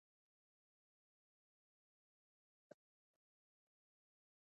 ماشومان اوس هم په لوبو کې بوخت دي.